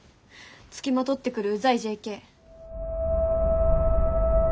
付きまとってくるうざいＪＫ。